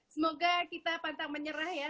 semoga kita pantang menyerah ya